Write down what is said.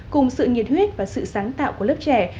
cùng sự nhiệt huyết và sự sáng tạo của người việt nam